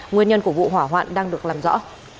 nguyên nhân của vụ hỏa hoạn đang được làm rõ